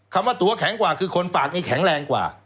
คำว่าตัวแข็งกว่าคือคนฝากนี้แข็งแรงกว่า